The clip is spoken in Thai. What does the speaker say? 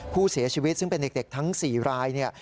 ผู้เสียชีวิตซึ่งเป็นเด็กทั้ง๔รายเนี่ย